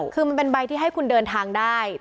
คือมันเป็นใบที่ให้คุณเดินทางได้